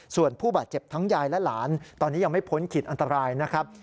ส่วนผู้บาดเจ็บทั้งยายและหลานตอนนี้ยังไม่พ้นขีดอันตรายนะครับ